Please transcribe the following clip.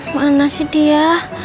mana sih dia